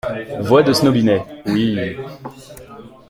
Voix de Snobinet. — Oui…